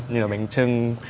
như là bánh trưng